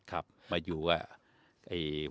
ค่ะมันอยู่กว่า